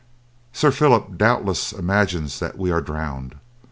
Sir Phillip doubtless imagines that we are drowned.